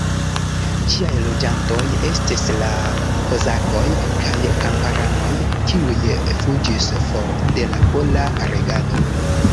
Ĝiaj loĝantoj estis la kozakoj kaj kamparanoj, kiuj fuĝis for de la pola regado.